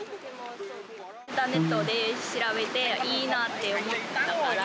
インターネットで調べて、いいなと思ったから。